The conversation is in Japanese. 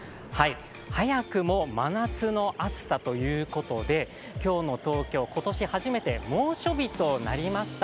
早くも真夏の暑さということで、今日の東京、今年初めて猛暑日となりました。